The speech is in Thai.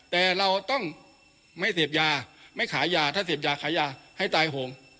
แต่เราต้องไม่เสพยาไม่ขายยาถ้าเสพยาขายยาให้ตายโหง